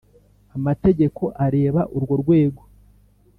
Amategeko areba urwo rwego